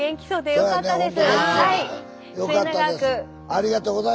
よかったです。